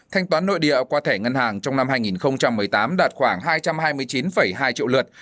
thanh toán nội địa qua thẻ ngân hàng trong năm hai nghìn một mươi tám đạt khoảng hai trăm hai mươi chín hai triệu lượt